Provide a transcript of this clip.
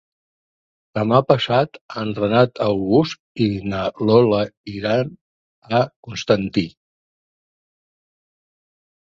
Demà passat en Renat August i na Lola iran a Constantí.